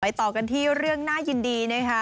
ต่อกันที่เรื่องน่ายินดีนะคะ